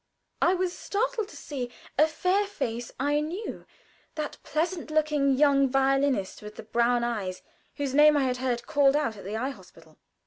I was startled to see a fair face I knew that pleasant looking young violinist with the brown eyes, whose name I had heard called out at the eye hospital.